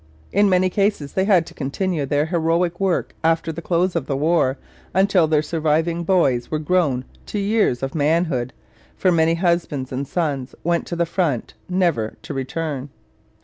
In many cases they had to continue their heroic work after the close of the war, until their surviving boys were grown to years of manhood, for many husbands and sons went to the front never to return.